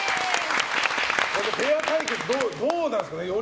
ペア対決、どうなんですかね。